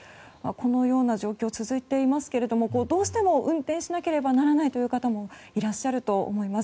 このような状況、続いていますがどうしても運転しなければならないという方もいらっしゃると思います。